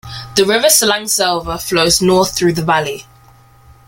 The river Salangselva flows north through the valley.